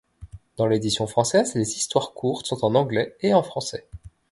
Dans l'édition française, les histoires courtes sont en anglais et en français.